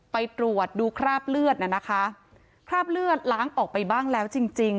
ไปตรวจดูคราบเลือดน่ะนะคะคราบเลือดล้างออกไปบ้างแล้วจริงจริง